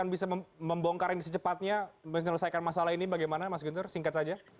bisa membongkar ini secepatnya menyelesaikan masalah ini bagaimana mas guntur singkat saja